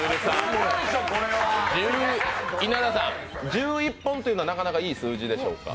稲田さん、１１本というのはなかなかいい数字でしょうか。